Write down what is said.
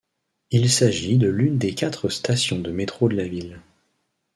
Il s'agit de l'une des quatre stations de métro de la ville.